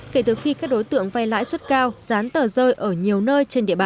kể từ khi các đối tượng vay lãi suất cao dán tờ rơi ở nhiều nơi trên địa bàn